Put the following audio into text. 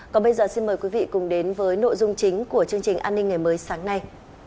còn bây giờ xin mời quý vị cùng đến với nội dung chính của chương trình an ninh ngày mới sáng nay